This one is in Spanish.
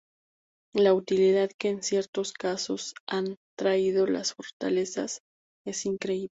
La utilidad que en ciertos casos han traído las fortalezas es increíble.